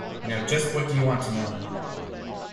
Now just what do you want to know.